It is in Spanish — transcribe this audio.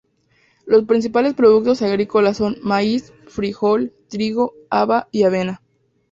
Los principales productos agrícolas son: maíz, frijol, trigo, haba y avena.